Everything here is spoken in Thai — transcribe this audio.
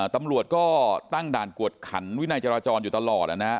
ตำรวจก็ตั้งด่านกวดขันวินัยจราจรอยู่ตลอดนะฮะ